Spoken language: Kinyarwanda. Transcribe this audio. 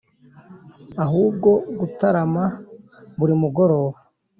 ahubwo gutarama buri mugoroba